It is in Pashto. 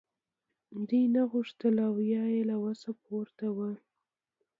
دوی نه غوښتل او یا یې له وسه پورته وه